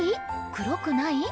黒くない？